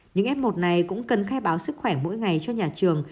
những f một này cũng cần khai báo sức khỏe mỗi ngày cho nhà trường